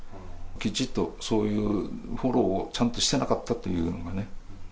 きちっとそういうフォローをちゃんとしてなかったというのがね。